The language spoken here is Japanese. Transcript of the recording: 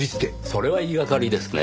それは言い掛かりですね。